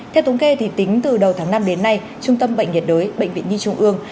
theo tống kê thì tính từ đầu tháng năm đến nay trung tâm bệnh nhiệt đối bệnh viện nhi trung ương